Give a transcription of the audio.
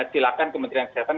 silakan ke menteri yang kesehatan